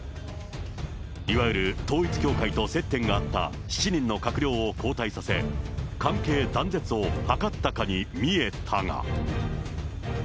いわゆる統一教会と接点があった７人の閣僚を交代させ、関係断絶を図ったかに見えたが。